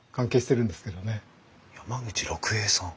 山口六平さん？